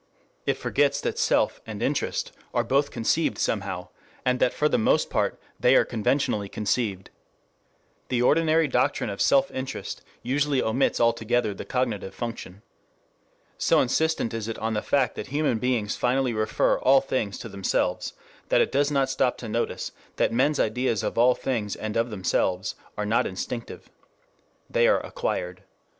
It forgets that self and interest are both conceived somehow, and that for the most part they are conventionally conceived. The ordinary doctrine of self interest usually omits altogether the cognitive function. So insistent is it on the fact that human beings finally refer all things to themselves, that it does not stop to notice that men's ideas of all things and of themselves are not instinctive. They are acquired.